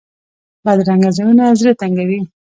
بدرنګه ځایونه زړه تنګوي